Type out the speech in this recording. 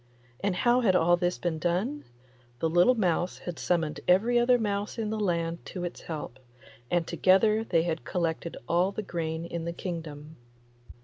And how had all this been done? The little mouse had summoned every other mouse in the land to its help, and together they had collected all the grain in the kingdom.